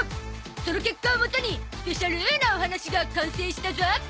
その結果をもとにスペシャルなお話が完成したゾ